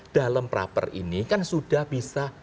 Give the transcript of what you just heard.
dalam proper ini kan sudah bisa